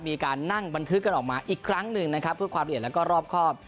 มีการนั่งบันทึกกันออกมาอีกครั้งหนึ่งนะครับเพื่อความละเอียดแล้วก็รอบครอบ